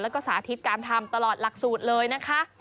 แล้วก็สาธิตการทำตลอดหลักสูตรเลยนะคะ